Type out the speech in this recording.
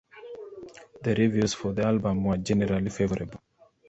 The reviews for the album were generally favorable.